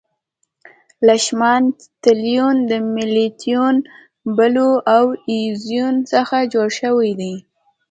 لیشمان تلوین د میتیلین بلو او اییوزین څخه جوړ شوی دی.